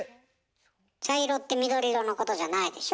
茶色って緑色のことじゃないでしょ？